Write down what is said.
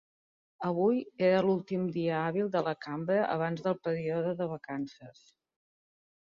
Avui era l’últim dia hàbil de la cambra abans del període de vacances.